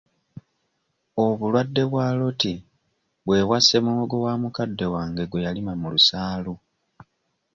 Obulwadde bwa Rot bwe bwasse muwogo wa mukadde wange gwe yalima mu lusaalu.